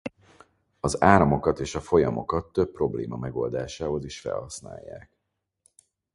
Az áramokat és a folyamokat több probléma megoldásához is felhasználják.